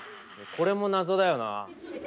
これも謎だよな。